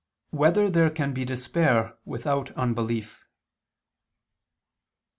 2] Whether There Can Be Despair Without Unbelief?